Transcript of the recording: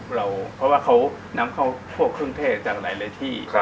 เพราะว่าเขานำเข้าพวกเครื่องเทศจากหลายที่